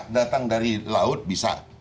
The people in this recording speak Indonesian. datang dari laut bisa